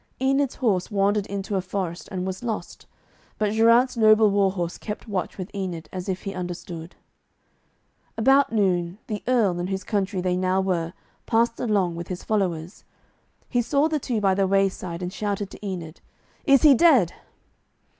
Enid's horse wandered into a forest and was lost, but Geraint's noble war horse kept watch with Enid, as if he understood. About noon, the Earl, in whose country they now were, passed along with his followers. He saw the two by the wayside, and shouted to Enid, 'Is he dead?'